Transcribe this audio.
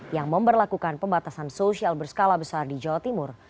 yang memperlakukan pembatasan sosial berskala besar di jawa timur